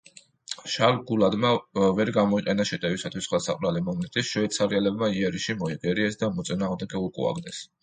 შარლ გულადმა ვერ გამოიყენა შეტევისათვის ხელსაყრელი მომენტი, შვეიცარიელებმა იერიში მოიგერიეს და მოწინააღმდეგე უკუაგდეს.